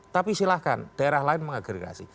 tapi silahkan daerah lain mengagregasi